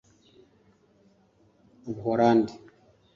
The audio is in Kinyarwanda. ubuholandi